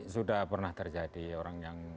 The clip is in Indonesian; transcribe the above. sudah pernah terjadi orang yang